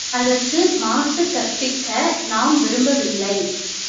அதற்கு மாசு கற்பிக்க நாம் விரும்பவில்லை!